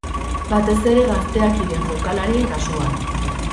Batez ere gazteak diren jokalarien kasuan.